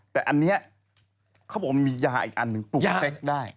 แต่อันนี้เขาบอกว่ามียาอีกอันหนึ่งปลูกเซ็กได้